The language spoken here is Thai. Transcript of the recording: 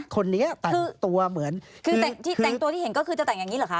คนนี้นะคือแต่งตัวที่เห็นก็คือจะแต่งอย่างนี้หรือคะ